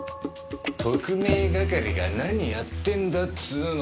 特命係が何やってんだっつうの。